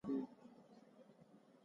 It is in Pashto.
د یو بل مخالفت باید ونسي.